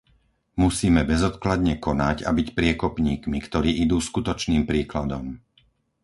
Musíme bezodkladne konať a byť priekopníkmi, ktorí idú skutočným príkladom.